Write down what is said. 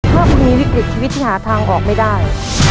ถ้าคุณมีวิกฤตชีวิตที่หาทางออกไม่ได้